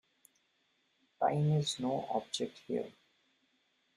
Time is no object here.